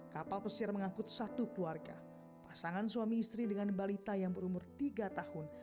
kapal pesir mengangkut satu keluarga pasangan suami istri dengan balita yang berumur tiga tahun